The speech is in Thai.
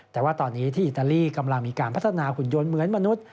แต่ว่าตอนนี้ที่อิตาลีกำลังมีการพัฒนาหุ่นยนต์เหมือนมนุษย์